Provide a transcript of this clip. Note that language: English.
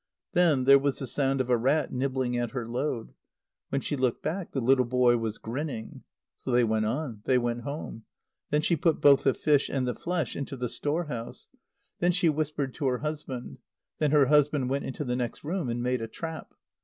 Then there was the sound of a rat nibbling at her load. When she looked back, the little boy was grinning. So they went on; they went home. Then she put both the fish and the flesh into the store house. Then she whispered to her husband. Then her husband went into the next room, and made a trap.